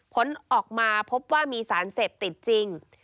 ผลออกมาพบว่ามีสารเสพติดจริง